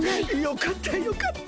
よかったよかった。